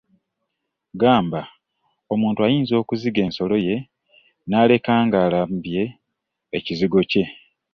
Gamba, omuntu ayinza okuziga ensolo ye n’aleka ng’alambye ekizigo kye.